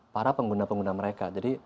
para pengguna pengguna mereka jadi